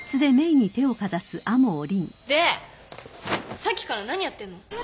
でさっきから何やってんの？